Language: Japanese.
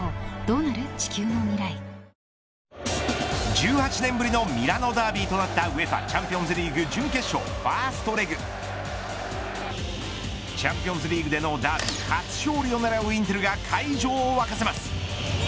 １８年ぶりのミラノダービーとなったＵＥＦＡチャンピオンズリーグ準決勝ファーストレグチャンピオンズリーグでのダービー初勝利を狙うインテルが会場を沸かせます。